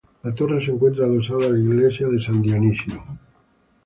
La torre se encuentra adosada a la Iglesia de San Dionisio.